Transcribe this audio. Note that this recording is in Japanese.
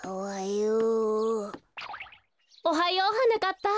おはようはなかっぱ。